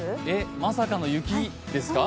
まさかの雪ですか？